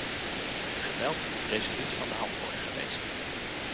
Geweld moet resoluut van de hand worden gewezen.